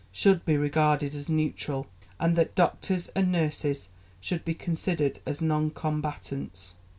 should be regarded as neutral, and that doctors and nurses should be considered as non combatants.